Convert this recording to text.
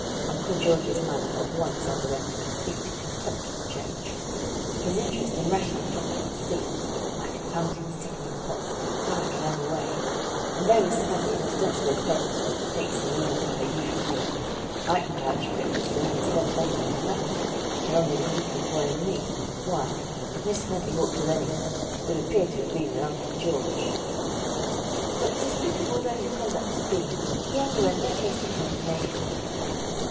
Uncle George's manner at once underwent a complete and contemptible change. His interest in rational topics seemed, "like a fountain's sickening pulse," to flag and ebb away; and though Miss Smedley's ostensible purpose was to take Selina for her usual walk, I can vouch for it that Selina spent her morning ratting, along with the keeper's boy and me; while, if Miss Smedley walked with any one, it would appear to have been with Uncle George. But despicable as his conduct had been, he underwent no hasty condemnation.